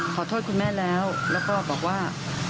ขอโทษคุณแม่แล้วแล้วก็บอกว่า